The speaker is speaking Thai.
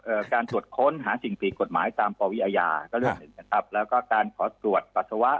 เอ่อการตรวจค้นหาสิ่งผิดกฎหมายตามประวิยาครับแล้วก็การขอตรวจปัสสาวะ